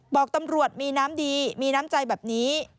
บอกตำรวจมีน้ำดีมีน้ำใจแบบนี้